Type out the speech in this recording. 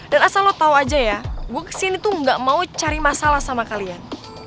dan asal lo tau aja ya gue kesini tuh gak mau cari masalah sama kalian